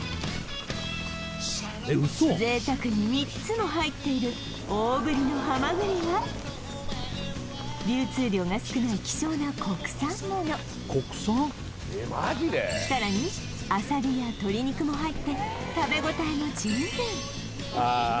贅沢に３つも入っている大ぶりのはまぐりは流通量が少ない希少な国産ものさらにあさりや鶏肉も入って食べ応えも十分ああ